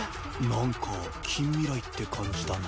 なんか近未来って感じだな。